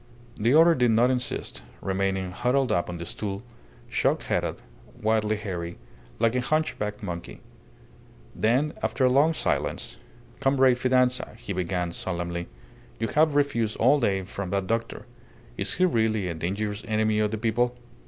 The other did not insist, remaining huddled up on the stool, shock headed, wildly hairy, like a hunchbacked monkey. Then, after a long silence "Comrade Fidanza," he began, solemnly, "you have refused all aid from that doctor. Is he really a dangerous enemy of the people?"